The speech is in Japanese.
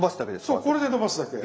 そうこれで伸ばすだけ。